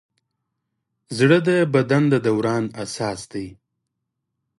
زړه د بدن د دوران اساس دی.